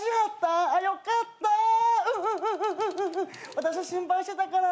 私心配してたから。